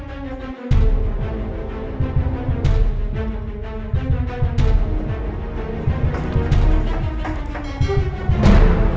tidak ada warganya